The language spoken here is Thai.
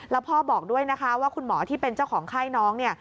แล้วพ่อบอกด้วยนะคะว่าคุณหมอที่เป็นเจ้าของไข้น้องเนี่ย